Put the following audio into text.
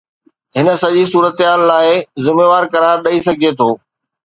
هن سڄي صورتحال لاء ذميوار قرار ڏئي سگهجي ٿو.